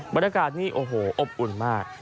บรรยากาศนี่โอ้โหอบอุ่นมาก